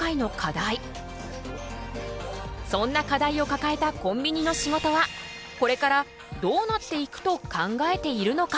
そんな課題をかかえたコンビニの仕事はこれからどうなっていくと考えているのか？